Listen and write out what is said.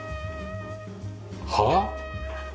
はあ！？